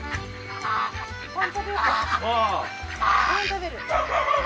ああ。